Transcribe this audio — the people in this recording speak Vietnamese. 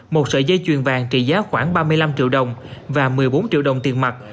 một sợi dây chuyền vàng trị giá khoảng ba mươi năm triệu đồng và một mươi bốn triệu đồng tiền mặt